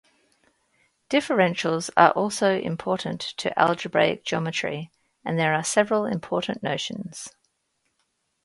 Differentials are also important in algebraic geometry, and there are several important notions.